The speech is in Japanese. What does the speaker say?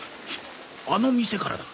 あの店からだ。